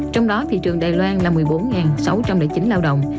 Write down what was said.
trong đó thị trường đài loan là một mươi bốn sáu trăm linh chín lao động